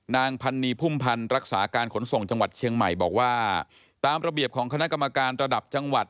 นางพันนีพุ่มพันธ์รักษาการขนส่งจังหวัดเชียงใหม่บอกว่าตามระเบียบของคณะกรรมการระดับจังหวัด